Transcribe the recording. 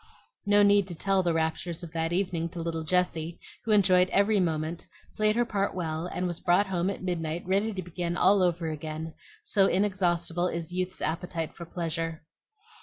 No need to tell the raptures of that evening to little Jessie, who enjoyed every moment, played her part well, and was brought home at midnight ready to begin all over again, so inexhaustible is youth's appetite for pleasure.